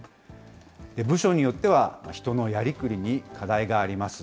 部署によっては、人のやりくりに課題があります。